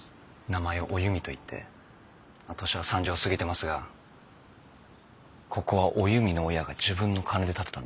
名前をおゆみといって年は３０を過ぎてますがここはおゆみの親が自分の金で建てたんです。